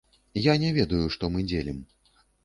Я не ведаю, што мы дзелім.